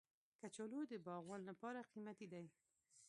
کچالو د باغوان لپاره قیمتي دی